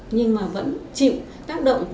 nhưng mà vẫn chịu tác động